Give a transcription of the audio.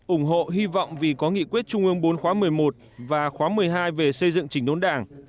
ủng hộ hy vọng vì có nghị quyết trung ương bốn khóa một mươi một và khóa một mươi hai về xây dựng chỉnh đốn đảng